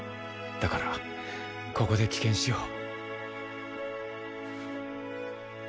だからここで棄権しよう。